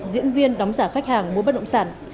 diễn viên đóng giả khách hàng mua bất động sản